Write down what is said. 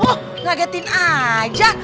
aduh ragetin aja